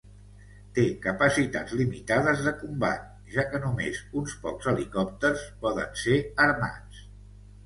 Té capacitats limitades de combat, ja que només uns pocs helicòpters poden ser armats.